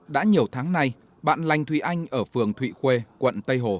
đã nhiều tháng nay bạn lanh thùy anh ở phường thụy khuê quận tây hồ